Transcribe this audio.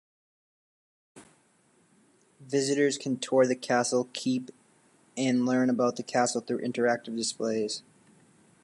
Visitors can tour the castle keep and learn about the castle through interactive displays.